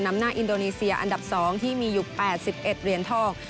นำหน้าอินโดนีเซียอันดับ๒ที่มีอยู่๘๑เหรียญทอง